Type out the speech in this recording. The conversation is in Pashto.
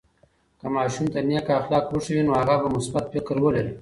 که ماشوم ته نیک اخلاق وښیو، نو هغه به مثبت فکر ولري.